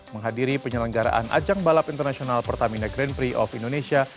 menghadiri penyelenggaraan ajang balap internasional pertamina grand prix of indonesia